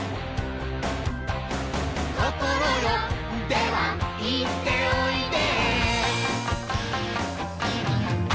「こころよでは行っておいで」